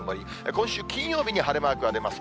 今週金曜日に晴れマークが出ます。